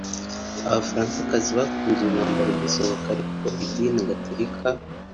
Abafaransakazi bakunze uyu mwambaro ugisohoka ariko idini Gatolika